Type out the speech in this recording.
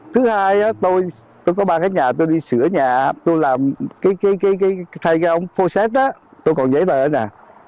thứ hai tôi có ba cái nhà tôi đi sửa nhà tôi làm cái thay giao ông phô sét đó tôi còn giấy bài ở nè